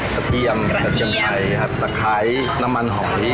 เทียมกระเทียมไทยครับตะไคร้น้ำมันหอย